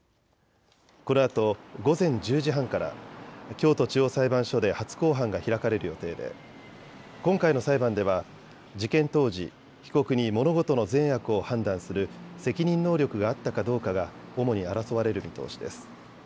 このあと午前１０時半から京都地方裁判所で初公判が開かれる予定で今回の裁判では事件当時、被告に物事の善悪を判断する責任能力があったかどうかが主に争われる見通しです。